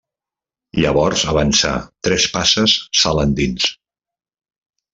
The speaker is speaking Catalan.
Llavors avançà tres passes sala endins.